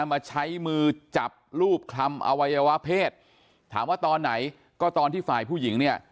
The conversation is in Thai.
มาใช้มือจับรูปคลำอวัยวะเพศถามว่าตอนไหนก็ตอนที่ฝ่ายผู้หญิงเนี่ย